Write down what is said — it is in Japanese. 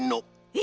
え